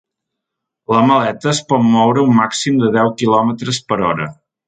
La maleta es pot moure a un màxim de deu quilòmetres per hora.